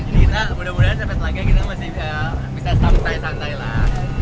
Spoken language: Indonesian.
jadi kita mudah mudahan sampai telaga kita masih bisa santai santai lah